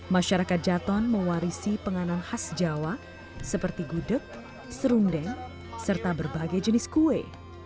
masyarakat jaton mewarisi penganan khas jawa seperti gudeg serundeng serta berbagai jenis kue